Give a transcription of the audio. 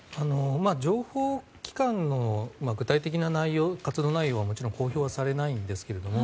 情報機関の具体的な活動内容はもちろん公表はされないんですが